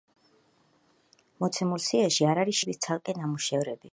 მოცემულ სიაში არ არის შეტანილია ჯგუფის წევრების ცალკე ნამუშევრები.